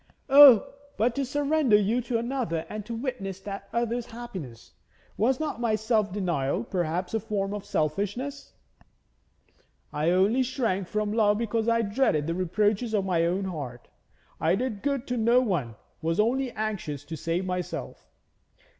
'Oh, but to surrender you to another and to witness that other's happiness! Was not my self denial perhaps a form of selfishness? I only shrank from love because I dreaded the reproaches of my own heart; I did good to no one, was only anxious to save myself.